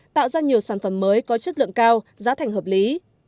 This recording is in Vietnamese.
tạo ra nhiều sản phẩm mới có chất lượng cao giá thành hợp lý